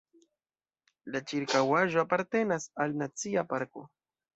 La ĉirkaŭaĵo apartenas al Nacia parko.